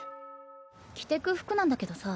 着てく服なんだけどさ